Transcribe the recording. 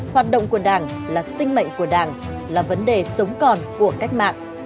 đoàn kết thống nhất là sinh mệnh của đảng là vấn đề sống còn của cách mạng